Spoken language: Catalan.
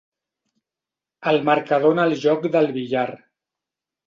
El marcador en el joc del billar.